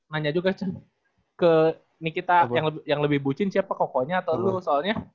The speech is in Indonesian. nanya juga ke ini kita yang lebih bucin siapa kokonya atau lu soalnya